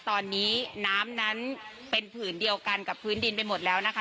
ตอนนี้น้ำนั้นเป็นผืนเดียวกันกับพื้นดินไปหมดแล้วนะคะ